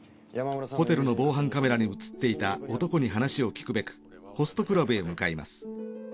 ホテルの防犯カメラに映っていた男に話を聞くべくホストクラブへ向かいます。